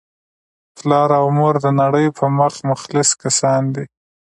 پلار او مور دنړۍ په مخ مخلص کسان دي